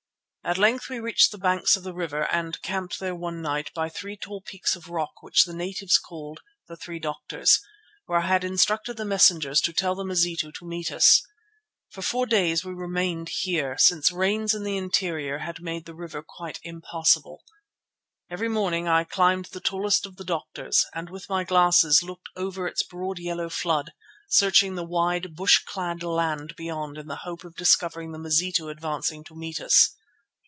At length we reached the banks of the river, and camped there one night by three tall peaks of rock which the natives called "The Three Doctors," where I had instructed the messengers to tell the Mazitu to meet us. For four days we remained here, since rains in the interior had made the river quite impassable. Every morning I climbed the tallest of the "Doctors" and with my glasses looked over its broad yellow flood, searching the wide, bush clad land beyond in the hope of discovering the Mazitu advancing to meet us.